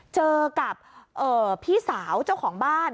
เจอกับพี่สาวเจ้าของบ้าน